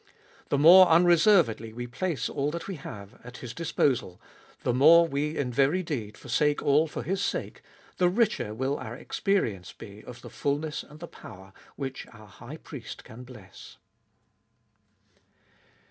The more unreservedly we place all that we have at His disposal, the more we in very deed forsake all for His sake, the richer will our experience be of the fulness and the power which our High Priest can bless.